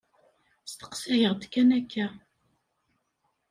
Steqsaɣ-d kan akka.